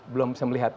belum bisa melihat